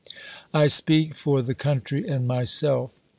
I speak for the country and myself.